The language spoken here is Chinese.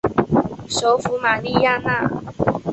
首府玛利亚娜。